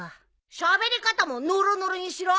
しゃべり方もノロノロにしろ。